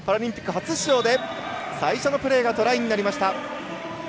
初出場で最初のプレーがトライになりました。